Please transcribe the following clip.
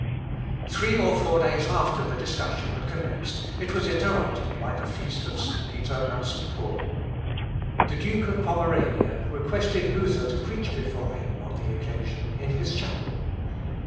Three or four days after the discussion had commenced, it was interrupted by the feast of St. Peter and St. Paul. The Duke of Pomerania requested Luther to preach before him, on the occasion, in his chapel.